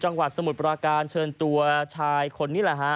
สมุทรปราการเชิญตัวชายคนนี้แหละฮะ